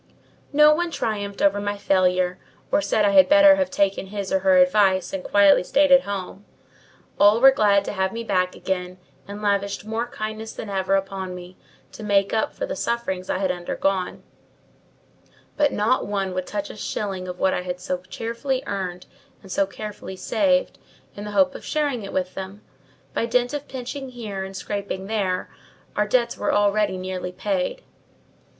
No one triumphed over my failure, or said I had better have taken his or her advice, and quietly stayed at home. All were glad to have me back again, and lavished more kindness than ever upon me, to make up for the sufferings I had undergone; but not one would touch a shilling of what I had so cheerfully earned and so carefully saved, in the hope of sharing it with them. By dint of pinching here, and scraping there, our debts were already nearly paid.